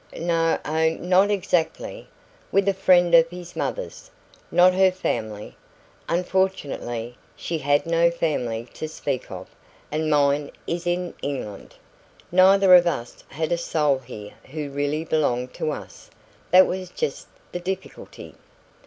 "No o not exactly. With a friend of his mother's, not her family. Unfortunately, she had no family to speak of and mine is in England. Neither of us had a soul here who really belonged to us. That was just the difficulty."